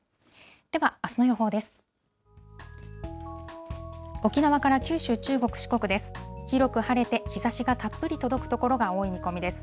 では、あすの予報です。